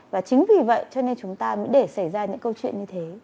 và chính vì vậy cho nên chúng ta mới để xảy ra những câu chuyện như thế